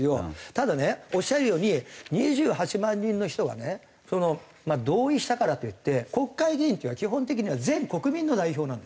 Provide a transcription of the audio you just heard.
ただねおっしゃるように２８万人の人がね同意したからといって国会議員っていうのは基本的には全国民の代表なんですよ。